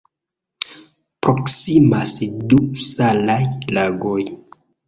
Proksimas du salaj lagoj.